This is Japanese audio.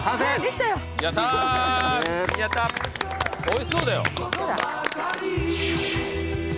おいしそうだよ。